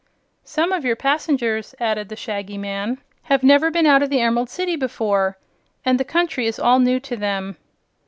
"Some of your passengers," added the Shaggy Man, "have never been out of the Emerald City before, and the country is all new to them."